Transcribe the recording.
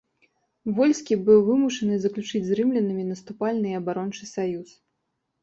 Вольскі былі вымушаны заключыць з рымлянамі наступальны і абарончы саюз.